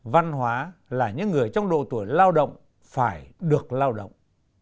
văn hóa là những người trong độ tuổi lao động phải được lao động